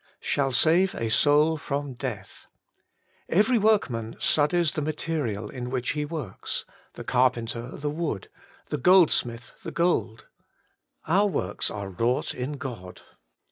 ' Shall save a soul from deatJi.' Every workman studies the material in which he works : the carpenter the wood, the gold smith the gold. ' Our works are wrought in God.'